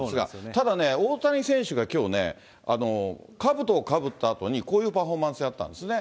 ただね、大谷選手がきょうね、かぶとをかぶったあとにこういうパフォーマンスやったんですね。